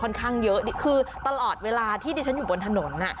ค่อนข้างเยอะคือตลอดเวลาที่ดิฉันอยู่บนถนนนะ